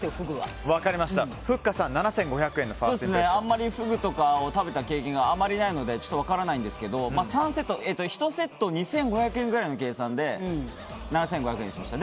ふっかさん、７５００円のあんまりフグとかを食べた経験があまりないのでちょっと分からないんですけど１セット２５００円くらいの計算で７５００円にしました。